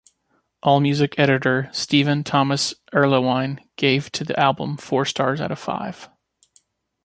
Allmusic editor Stephen Thomas Erlewine gave to the album four stars out of five.